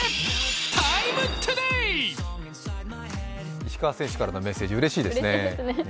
石川選手からのメッセージ、うれしいですね。